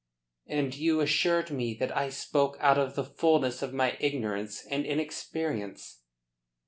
"And you assured me that I spoke out of the fullness of my ignorance and inexperience."